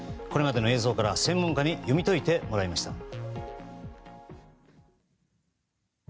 これまでの映像から専門家に読み解いてもらいました。